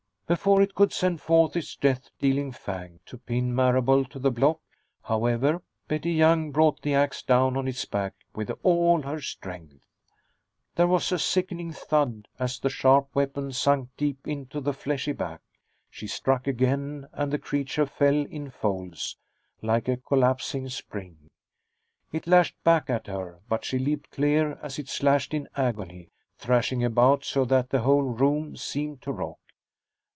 Before it could send forth its death dealing fang to pin Marable to the block, however, Betty Young brought the ax down on its back with all her strength. There was a sickening thud as the sharp weapon sunk deep into the fleshy back. She struck again, and the creature fell in folds, like a collapsing spring. It lashed back at her, but she leaped clear as it slashed in agony, thrashing about so that the whole room seemed to rock.